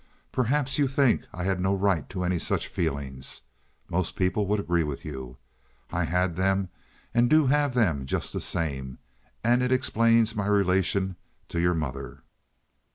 Perhaps you think I had no right to any such feelings. Most people would agree with you. I had them and do have them just the same, and it explains my relation to your mother.